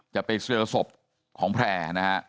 จะไปเจรียรสบของแพร่